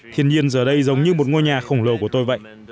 thiên nhiên giờ đây giống như một ngôi nhà khổng lồ của tôi vậy